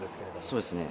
そうですね。